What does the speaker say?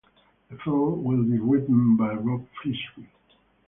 The film will be written by Rob Frisbee.